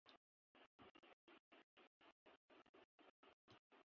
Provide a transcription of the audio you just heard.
British ঔপনিবেশিক সময়ের গল্পকে কেন্দ্র করে গড়ে উঠেছে এই চলচ্চিত্রের কাহিনি।